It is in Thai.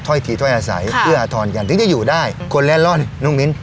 ทีถ้อยอาศัยเอื้ออาทรกันถึงจะอยู่ได้คนเล่นร่อนน้องมิ้น